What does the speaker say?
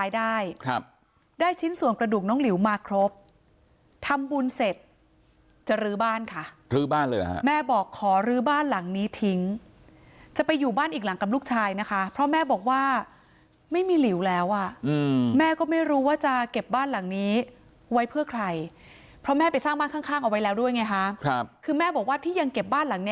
ได้ครับได้ชิ้นส่วนกระดูกน้องหลิวมาครบทำบุญเสร็จจะลื้อบ้านค่ะรื้อบ้านเลยเหรอฮะแม่บอกขอรื้อบ้านหลังนี้ทิ้งจะไปอยู่บ้านอีกหลังกับลูกชายนะคะเพราะแม่บอกว่าไม่มีหลิวแล้วอ่ะแม่ก็ไม่รู้ว่าจะเก็บบ้านหลังนี้ไว้เพื่อใครเพราะแม่ไปสร้างบ้านข้างข้างเอาไว้แล้วด้วยไงฮะครับคือแม่บอกว่าที่ยังเก็บบ้านหลังนี้